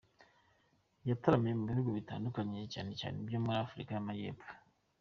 Yataramiye mu bihugu bitandukanye cyane cyane ibyo muri Afurika y’Amajyepfo.